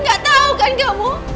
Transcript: gak tau kan kamu